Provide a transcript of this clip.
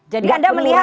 jadi anda melihat